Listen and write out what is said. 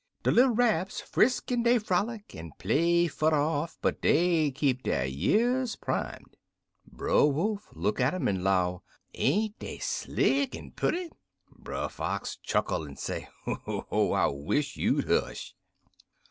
"De little Rabs frisk en dey frolic, en play furder off, but dey keep der years primed. "Brer Wolf look at um en 'low, 'Ain't dey slick en purty?' "Brer Fox chuckle, en say, 'Oh, I wish you'd hush!'